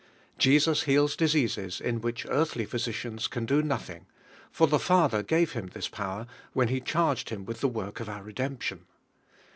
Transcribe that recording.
Jesns heais diseases in whieh earthly physicians can do nothing, for the Father gave Him this power when He charged Him with the work of onr redemption.